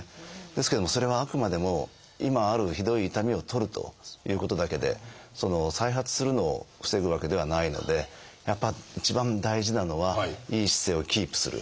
ですけどもそれはあくまでも今あるひどい痛みを取るということだけで再発するのを防ぐわけではないのでやっぱ一番大事なのはいい姿勢をキープする。